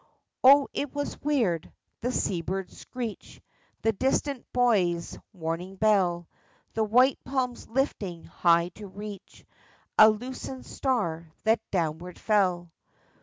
Oh, it was weird !— the seabird's screech, The distant buoy's warning bell, The white palms lifting high to reach A loosened star that downward fell